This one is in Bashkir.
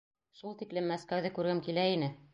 Шул тиклем Мәскәүҙе күргем килә ине!